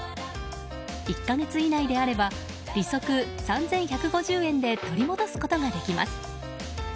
１か月以内であれば利息３１５０円で取り戻すことができます。